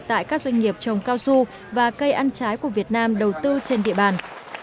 tại các doanh nghiệp trồng cao su và cây ăn trái của việt nam đầu tư trên địa bàn